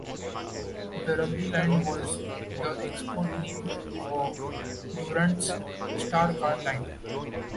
The Rugby line was the export name for Durant's Star Car line.